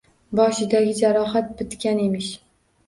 Boshidagi jarohati bitgan emish